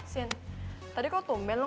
sin tadi kok tumpen lo